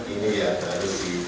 ini yang harus di